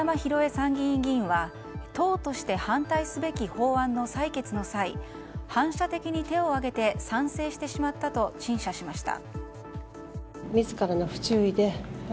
参議院議員は党として反対すべき法案の採決の際反射的に手を上げて賛成してしまったと陳謝しました。